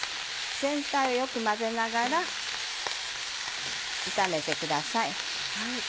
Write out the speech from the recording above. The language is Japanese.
全体をよく混ぜながら炒めてください。